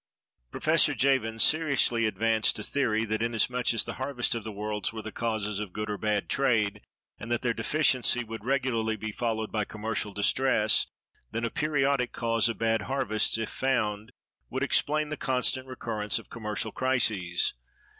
Professor Jevons seriously advanced a theory that, inasmuch as the harvests of the world were the causes of good or bad trade, and that their deficiency would regularly be followed by commercial distress, then a periodic cause of bad harvests, if found, would explain the constant recurrence of commercial crises.